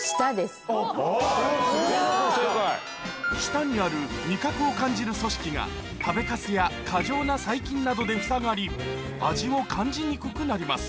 舌にある味覚を感じる組織が食べカスや過剰な細菌などでふさがり味を感じにくくなります